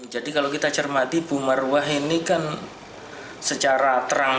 jadi kalau kita cermati pemarwah ini kan secara terang